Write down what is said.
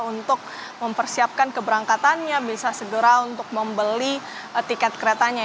untuk mempersiapkan keberangkatannya bisa segera untuk membeli tiket keretanya